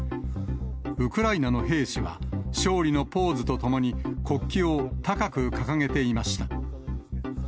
ウクライナの兵士は、勝利のポーズとともに、国旗を高く掲げていました。